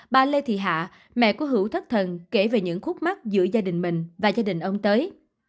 bà lê thị hạ mẹ của hữu thất thần kể về những khúc mắt giữa gia đình mình và gia đình ông tới